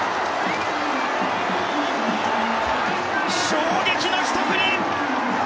衝撃のひと振り！